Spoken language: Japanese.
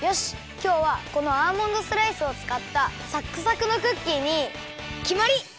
きょうはこのアーモンドスライスをつかったサックサクのクッキーにきまり！